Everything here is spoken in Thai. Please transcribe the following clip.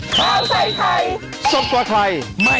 โปรดติดตามตอนต่อไป